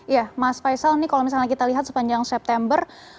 ya mas faisal ini kalau misalnya kita lihat sepanjang september